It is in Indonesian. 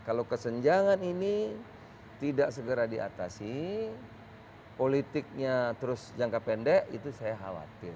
kalau kesenjangan ini tidak segera diatasi politiknya terus jangka pendek itu saya khawatir